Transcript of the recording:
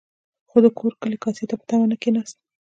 خو د کورو کلي کاسې ته په تمه نه کېناست.